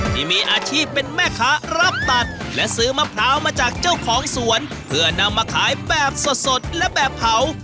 ที่มีอาชีพเป็นแม่ค้ารับตัดและซื้อมะพร้าวมาจากเจ้าของสวนเพื่อนำมาขายแบบสดและแบบเผา